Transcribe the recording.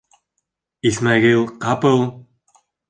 Исмәғил ҡапыл: